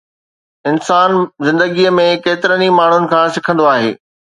انسان زندگيءَ ۾ ڪيترن ئي ماڻهن کان سکندو آهي.